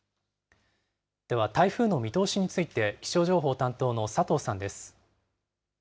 では台風の見通しについて、気象情報担当の佐藤さんです。